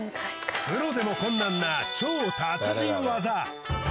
プロでも困難な超達人技